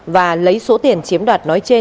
và lấy số tiền chiếm đoạt nói trên